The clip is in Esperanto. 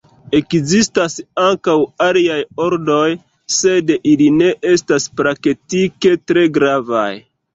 Ekzistas ankaŭ aliaj ordoj, sed ili ne estas praktike tre gravaj.